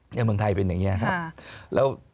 เมืองไทยเป็นอย่างนี้ครับ